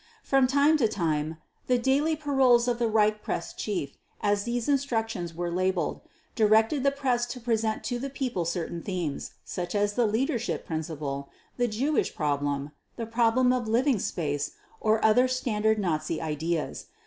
From time to time, the "Daily Paroles of the Reich Press Chief", as these instructions were labeled, directed the press to present to the people certain themes, such as the Leadership Principle, the Jewish problem, the problem of living space, or other standard Nazi ideas.